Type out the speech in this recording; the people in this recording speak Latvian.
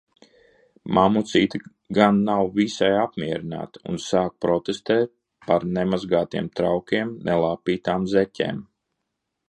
Mammucīte gan nav visai apmierināta, un sāk protestēt par nemazgātiem traukiem, nelāpītām zeķēm.